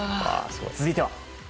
続いては。